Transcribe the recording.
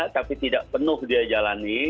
tapi tidak penuh dia jalani